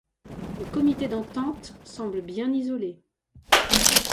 Le Comité d'entente semble bien isolé.